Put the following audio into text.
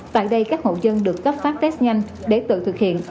tại đây các hộ dân được cấp phát test nhanh để tự thực hiện